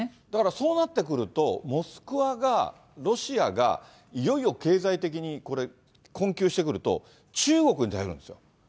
だからそうなってくると、モスクワが、ロシアがいよいよ経済的にこれ、困窮してくると、中国に頼るんですよ。